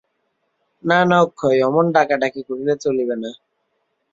না না অক্ষয়, অমন ঢাকাঢাকি করিলে চলিবে না।